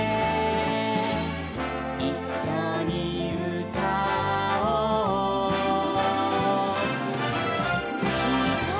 「いっしょにうたおう」「ひとりぼっちじゃ」